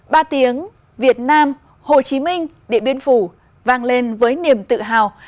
ba tiếng việt nam hồ chí minh điện biên phủ vang lên với niềm tự hào